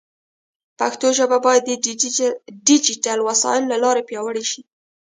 پښتو ژبه باید د ډیجیټل وسایلو له لارې پیاوړې شي.